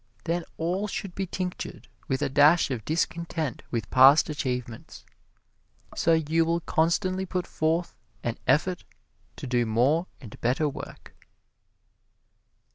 Then all should be tinctured with a dash of discontent with past achievements, so you will constantly put forth an effort to do more and better work.